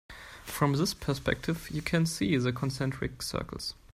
From this perspective you can see the concentric circles.